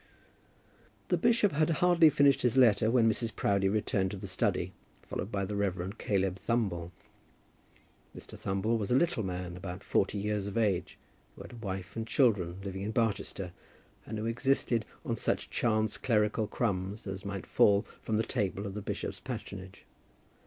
The bishop had hardly finished his letter when Mrs. Proudie returned to the study, followed by the Rev. Caleb Thumble. Mr. Thumble was a little man, about forty years of age, who had a wife and children living in Barchester, and who existed on such chance clerical crumbs as might fall from the table of the bishop's patronage.